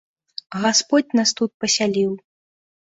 Гасподзь нас тут пасяліў.